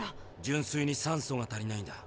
純すいに酸素が足りないんだ。